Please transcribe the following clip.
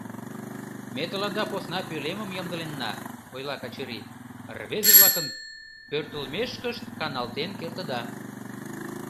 — Ме тыланда посна пӧлемым ямдыленна, — ойла Качырий, — Рвезе-влакын пӧртылмешкышт каналтен кертыда.